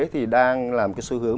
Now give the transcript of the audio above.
thì đang là một cái xu hướng